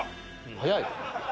早い。